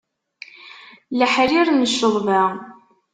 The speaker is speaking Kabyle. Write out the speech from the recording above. Leḥrir n cceḍba.